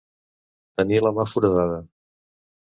Tenir la mà foradada.